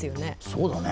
そうだね。